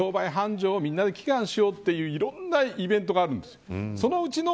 商売繁盛をみんなで祈願しようといういろんなイベントがあるんです。